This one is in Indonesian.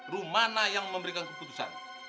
rumana yang memberikan keputusan